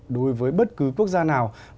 đối với bất cứ quốc gia nào